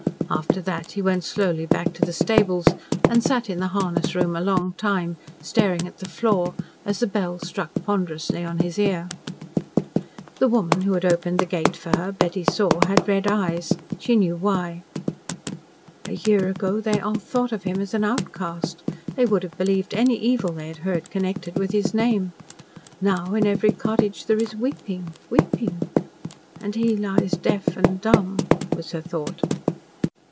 After that he went slowly back to the stables, and sat in the harness room a long time, staring at the floor, as the bell struck ponderously on his ear. The woman who had opened the gate for her Betty saw had red eyes. She knew why. "A year ago they all thought of him as an outcast. They would have believed any evil they had heard connected with his name. Now, in every cottage, there is weeping weeping. And he lies deaf and dumb," was her thought.